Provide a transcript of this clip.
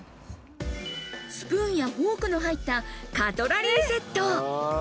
スプーンやフォークが入ったカトラリーセット。